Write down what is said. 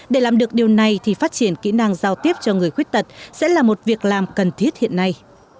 để làm được điều này thì phát triển kỹ năng giao tiếp cho người khuyết tật sẽ là một việc làm cần thiết hiện nay